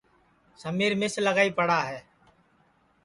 سمِیر مِس لگائی پڑا ہے